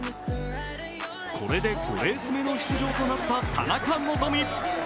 これで５レース目の出場となった田中希実。